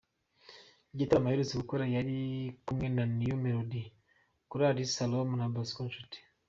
Igitaramo aherutse gukora yari ari kumwe na New Melody, kolari Siloam na Bosco Nshuti.